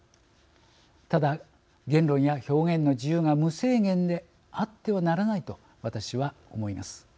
ただ、言論や表現の自由が無制限であってはならないと私は思います。